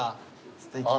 すてき。